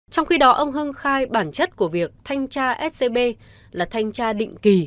trong khi đó ông hưng khai bản chất của việc thanh tra scb là thanh tra định kỳ